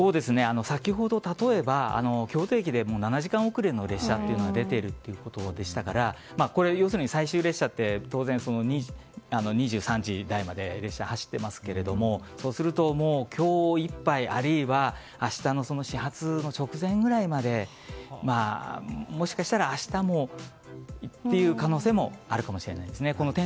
先ほど例えば、京都駅で７時間遅れの列車が出ているということでしたから要するに最終列車が当然、２３時台まで列車は走ってますけれども今日いっぱいあるいは明日の始発の直前くらいまでもしかしたら明日もという可能性もあるかもしれません。